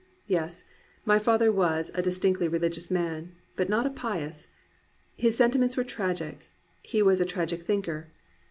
"Yes, my father was a * dis tinctly religious man,' but not a pious. ... His sentiments were tragic; he was a tragic thinker.